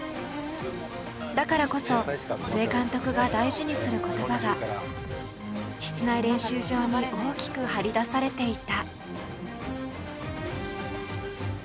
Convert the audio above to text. だからこそ、須江監督が大事にする言葉が室内練習場に大きく貼り出されていた。